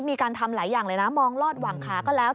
มีการทำหลายอย่างเลยนะมองลอดหวังขาก็แล้ว